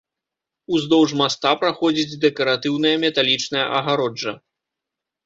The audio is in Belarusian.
Уздоўж моста праходзіць дэкаратыўная металічная агароджа.